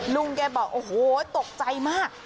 ลุงแกบอกก็โต๊กใจมาก